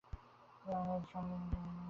তিনি স্বরাজ্য সংগ্রামের কারণে বন্দী ছিলেন।